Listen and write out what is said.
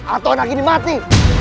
atau anak ini mati